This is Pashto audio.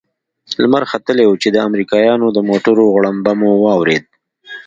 لمر ختلى و چې د امريکايانو د موټرو غړمبه مو واورېد.